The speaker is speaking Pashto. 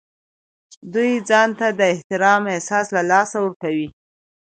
دوی ځان ته د احترام حس له لاسه ورکوي.